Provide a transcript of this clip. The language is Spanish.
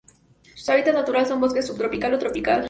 Su hábitat natural son bosques subtropical o tropical.